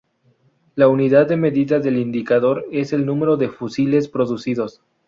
La unidad de medida del indicador es el número de fusiles producidos.